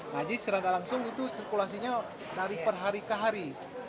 jadi secara langsung itu sirkulasinya dari per hari ke hari